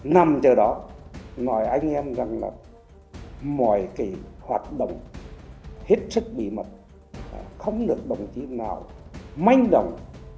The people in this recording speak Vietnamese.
nằm chờ đó nói anh em rằng là mọi cái hoạt động hết sức bí mật không được đồng chí nào manh động